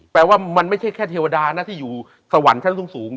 เพราะมันไม่แค่เทวดาน่ะที่อยู่สวรรค์ชั้นสูง